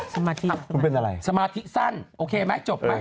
สมาธิสั้นโอเคมั้ยจบก่อน